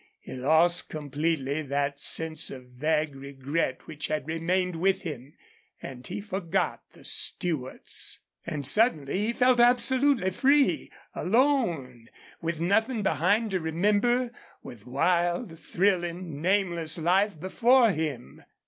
He lost completely that sense of vague regret which had remained with him, and he forgot the Stewarts. And suddenly he felt absolutely free, alone, with nothing behind to remember, with wild, thrilling, nameless life before him.